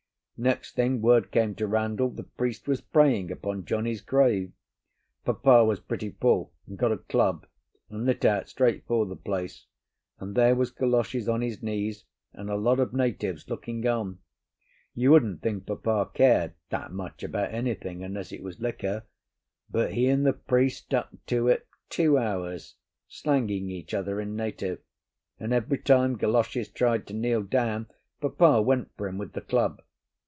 Next thing, word came to Randall the priest was praying upon Johnny's grave. Papa was pretty full, and got a club, and lit out straight for the place, and there was Galoshes on his knees, and a lot of natives looking on. You wouldn't think Papa cared—that much about anything, unless it was liquor; but he and the priest stuck to it two hours, slanging each other in native, and every time Galoshes tried to kneel down Papa went for him with the club.